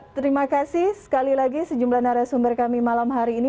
terima kasih sekali lagi sejumlah narasumber kami malam hari ini